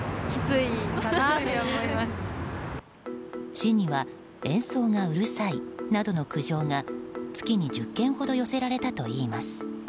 市には演奏がうるさいなどの苦情が月に１０件ほど寄せられたといいます。